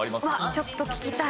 ちょっと聞きたい。